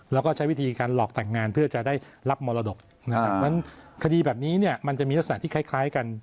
แล้วก็ใช้วิธีการหลอกแต่งงานเพื่อจะได้รับมรดกนะครับเพราะฉะนั้นคดีแบบนี้เนี่ยมันจะมีลักษณะที่คล้ายกัน